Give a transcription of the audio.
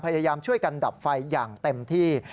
พยายามช่วยกันดับไฟอย่างเต็มที่